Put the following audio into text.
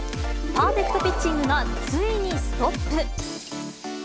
パーフェクトピッチングがついにストップ。